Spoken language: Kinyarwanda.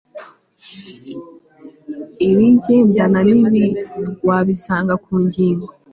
Ibigendana nibi wabisanga ku ngingo